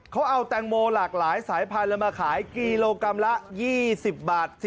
เขาเอาแตงโมหลากหลายสายพันธุ์มาขายกิโลกรัมละ๒๐บาท